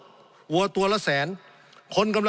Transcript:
สงบจนจะตายหมดแล้วครับ